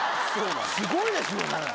すごいですね。